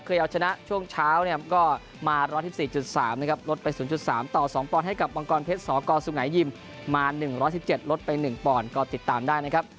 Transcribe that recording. เอาชนะช่วงเช้าเนี่ยก็มา๑๑๔๓นะครับลดไป๐๓ต่อ๒ปอนด์ให้กับมังกรเพชรสกสุงหายิมมา๑๑๗ลดไป๑ปอนด์ก็ติดตามได้นะครับ